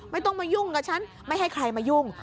ไม่ต้องมายุ่งกับฉันไม่ให้ใครมายุ่ง